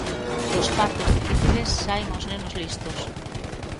Dos partos difíciles saen os nenos listos.